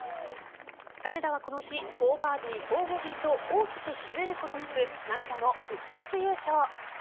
金田はこの日４バーディー４ボギーと大きく崩れることなく涙の復活優勝。